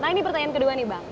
nah ini pertanyaan kedua nih bang